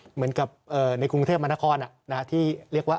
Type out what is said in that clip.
เหมือนกับในกรุงเทพมหานครที่เรียกว่า